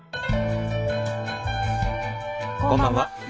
こんばんは。